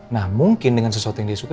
nah mungkin dengan sesuatu yang dia suka